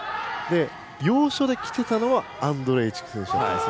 要所できてたのはアンドレイチク選手だったんです。